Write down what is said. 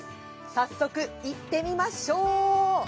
早速行ってみましょう。